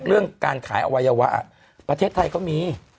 เรื่องการขายอวัยวะประเทศไทยก็มี